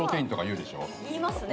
言いますね。